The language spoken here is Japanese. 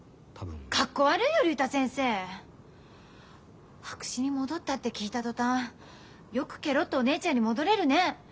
かっこ悪いよ竜太先生。白紙に戻ったって聞いた途端よくケロッとお姉ちゃんに戻れるね。